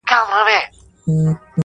په مسابقه کي بايد عورت لوڅ نه سي.